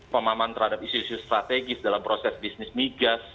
pemahaman terhadap isu isu strategis dalam proses bisnis migas